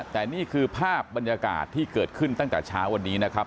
แต่นี่คือภาพบรรยากาศที่เกิดขึ้นตั้งแต่เช้าวันนี้นะครับ